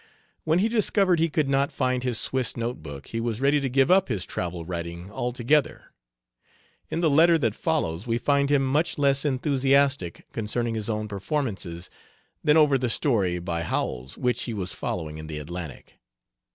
When he discovered he could not find his Swiss note book he was ready to give up his travel writing altogether. In the letter that follows we find him much less enthusiastic concerning his own performances than over the story by Howells, which he was following in the Atlantic.